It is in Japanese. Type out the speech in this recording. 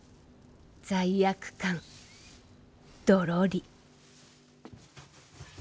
罪悪感、ドロリ。